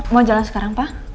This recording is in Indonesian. mau jalan sekarang pak